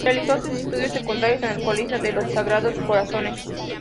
Realizó sus estudios secundarios en el Colegio de los Sagrados Corazones.